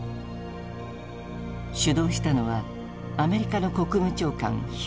主導したのはアメリカの国務長官ヒューズ。